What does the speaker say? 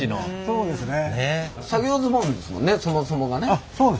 そうですね。